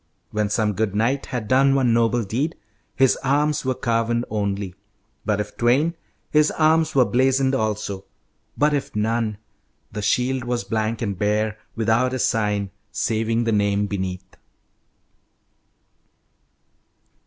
When some good knight had done one noble deed His arms were carven only, but if twain His arms were blazoned also, but if none The shield was blank and bare, without a sign, Saving the name beneath."